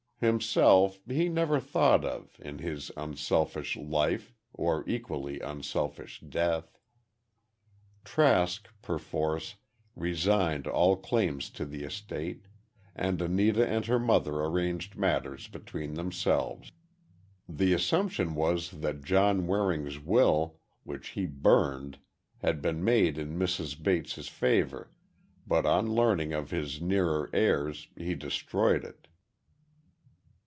Himself, he never thought of, in his unselfish life or equally unselfish death. Trask, perforce, resigned all claim to the estate, and Anita and her mother arranged matters between themselves. The assumption was that John Waring's will, which he burned, had been made in Mrs. Bates' favor, but on learning of his nearer heirs, he destroyed it.